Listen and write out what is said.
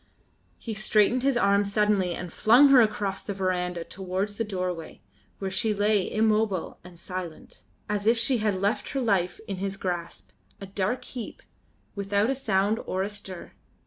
He straightened his arm suddenly and flung her across the verandah towards the doorway, where she lay immobile and silent, as if she had left her life in his grasp, a dark heap, without a sound or a stir.